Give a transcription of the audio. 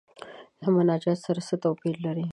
له مناجات سره څه توپیر لري.